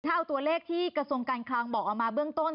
ถ้าเอาตัวเลขที่กระทรวงการคลังบอกเอามาเบื้องต้น